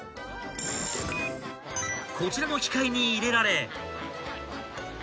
［こちらの機械に入れられ］